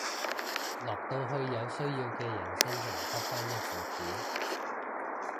落到去有需要嘅人身上得返一毫子